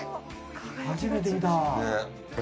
初めて見た。